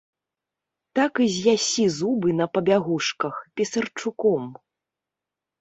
Так і з'ясі зубы на пабягушках, пісарчуком.